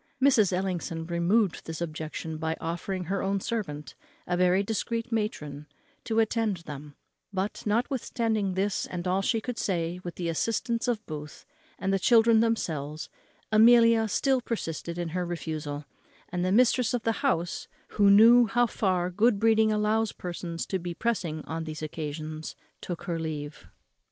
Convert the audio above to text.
Mrs. Ellison removed this objection by offering her own servant, a very discreet matron, to attend them; but notwithstanding this, and all she could say, with the assistance of Booth, and of the children themselves, Amelia still persisted in her refusal; and the mistress of the house, who knew how far good breeding allows persons to be pressing on these occasions, took her leave.